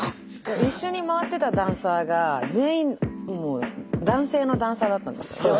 一緒に回ってたダンサーが全員男性のダンサーだったんですよ。